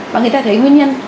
và người ta thấy nguyên nhân